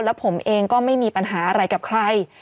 แล้วผมเองก็ไม่มีปัญหาอะไรกับใคร